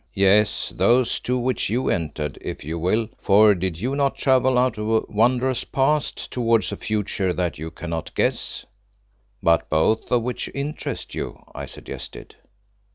Yes, those two which you entered, if you will; for did you not travel out of a wondrous Past towards a Future that you cannot guess?" "But both of which interest you," I suggested.